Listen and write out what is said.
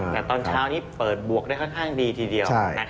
แต่ตอนเช้านี้เปิดบวกได้ค่อนข้างดีทีเดียว